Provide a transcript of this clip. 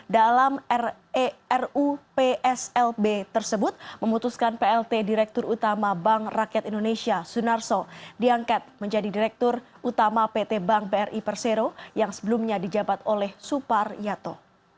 dalam rerupslb tersebut memutuskan plt direktur utama bank rakyat indonesia sunarso diangkat menjadi direktur utama pt bank bri persero yang sebelumnya dijabat oleh supar yato